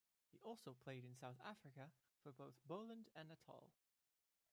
He also played in South Africa for both Boland and Natal.